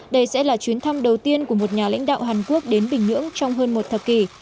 đây sẽ là chuyến thăm đầu tiên của một nhà lãnh đạo hàn quốc đến bình nhưỡng trong hơn một thập kỷ